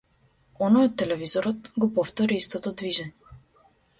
Оној од телевизорот го повтори истото движење.